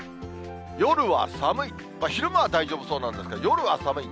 夜は寒い、昼間は大丈夫そうなんですが、夜は寒い。